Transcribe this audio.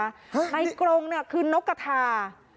ในกรงเนี่ยคือนกกระทา